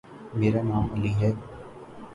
میرا نام علی ہے۔